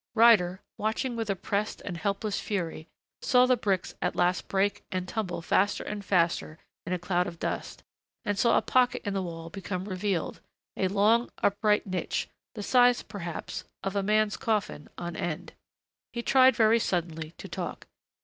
Ryder, watching with oppressed and helpless fury, saw the bricks at last break and tumble faster and faster in a cloud of dust, and saw a pocket in the wall become revealed, a long, upright niche, the size, perhaps, of a man's coffin, on end. He tried, very suddenly, to talk.